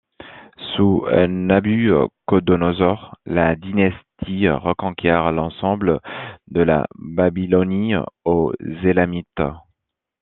Sous Nabuchodonosor, la dynastie reconquiert l'ensemble de la Babylonie aux Elamites.